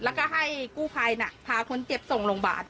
แล้วก็ให้กู้พัยนะพาคนเจ็บส่งโรงบาติ